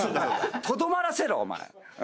とどまらせろ！お前。